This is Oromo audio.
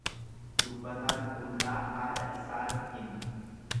Dubbataan qullaa haadha isaati hima.